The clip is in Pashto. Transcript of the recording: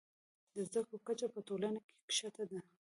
د زده کړو کچه په ټولنه کې ښکته ده.